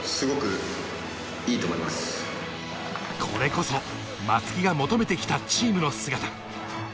これこそ、松木が求めてきたチームの姿。